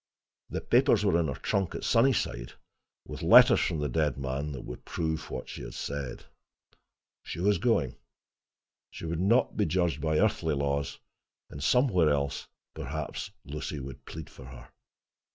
The papers were in her trunk at Sunnyside, with letters from the dead man that would prove what she said. She was going; she would not be judged by earthly laws; and somewhere else perhaps Lucy would plead for her.